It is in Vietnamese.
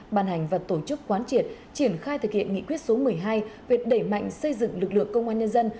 bàn hành và tổ chức quán triệt triển khai thực hiện nghị quyết số một mươi hai về đẩy mạnh xây dựng lực lượng công an nhân dân